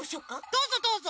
どうぞどうぞ！